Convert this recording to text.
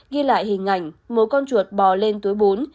ghi lại hình ảnh một con chuột bò lên túi bún